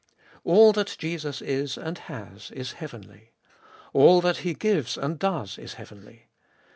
All that Jesus is and has, is heavenly. All that He gives and does, is heavenly.